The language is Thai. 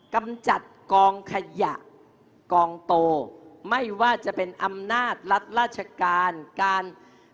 กำจัดกองขยะกองโตไม่ว่าจะเป็นอำนาจรัฐราชการการ